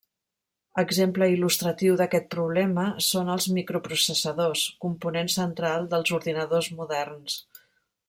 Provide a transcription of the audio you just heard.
Exemple il·lustratiu d'aquest problema són els microprocessadors, component central dels ordinadors moderns.